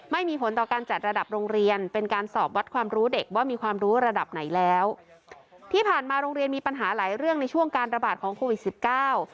ไม่มีผลต่อการจัดระดับโรงเรียนเป็นการสอบวัดความรู้เด็กว่ามีความรู้ระดับไหนแล้วที่ผ่านมาโรงเรียนมีปัญหาหลายเรื่องในช่วงการระบาดของโควิดสิบเก้า